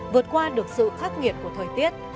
vượt qua được sự khắc nghiệt của thời tiết